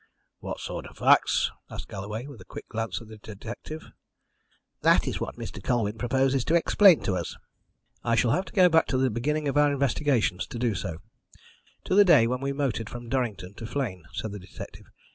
"What sort of facts?" asked Galloway, with a quick glance at the detective. "That is what Mr. Colwyn proposes to explain to us." "I shall have to go back to the beginning of our investigations to do so to the day when we motored from Durrington to Flegne," said the detective.